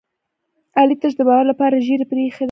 علي تش د باور لپاره ږېره پرې ایښې ده.